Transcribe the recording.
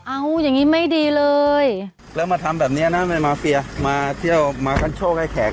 เอาอย่างนี้ไม่ดีเลยแล้วมาทำแบบนี้นะไม่มาเฟียมาเที่ยวมากันโชคให้แขก